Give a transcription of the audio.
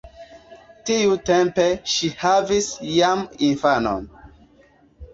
Tiutempe ŝi havis jam infanon.